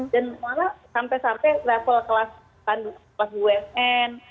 dan malah sampai sampai level kelas bumn